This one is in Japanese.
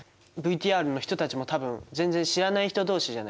ＶＴＲの人たちも多分全然知らない人同士じゃないですか。